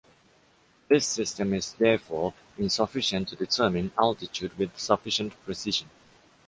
This system is therefore insufficient to determine altitude with sufficient precision.